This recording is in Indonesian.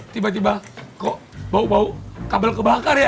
tiba tiba kok bau bau kabel kebakar ya